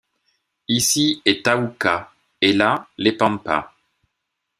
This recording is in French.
Ici est Thaouka, et là, les Pampas!